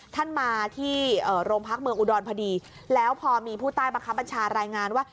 ท่านมาที่โรงพักเมืองอุดรพอดีแล้วพอมีผู้ใต้บังคับบัญชารายงานว่า